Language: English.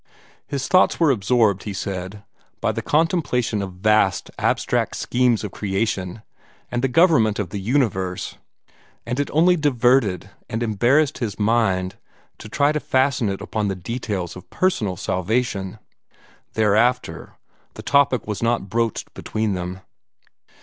His thoughts were absorbed, he said, by the contemplation of vast, abstract schemes of creation and the government of the universe, and it only diverted and embarrassed his mind to try to fasten it upon the details of personal salvation. Thereafter the topic was not broached between them.